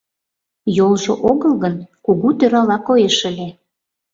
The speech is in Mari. Йолжо огыл гын, кугу тӧрала коеш ыле.